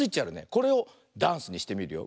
これをダンスにしてみるよ。